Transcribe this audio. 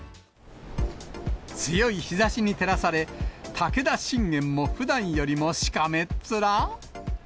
強い日ざしに照らされ、武田信玄も普段よりもしかめっ面。